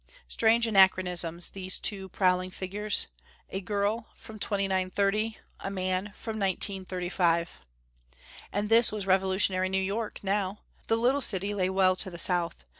Strange anachronisms, these two prowling figures! A girl from the year 2930; a man from 1935! And this was revolutionary New York, now. The little city lay well to the south.